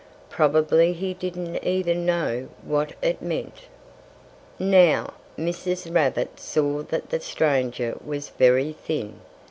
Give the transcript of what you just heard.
Probably he didn't even know what it meant. Now, Mrs. Rabbit saw that the stranger was very thin.